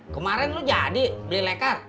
kemaren lu jadi beli lekar